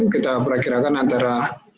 kita perakirakan antara